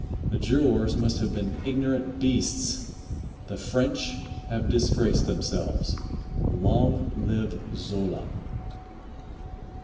The jurors must have been ignorant beasts. The French have disgraced themselves. Long live Zola.